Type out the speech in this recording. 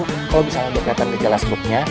kalau misalnya udah kejelas grupnya